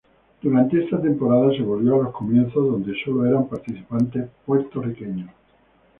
Durante esta temporada se volvió a los comienzos donde solo eran participantes puertorriqueños.